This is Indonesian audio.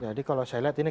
jadi kalau saya lihat ini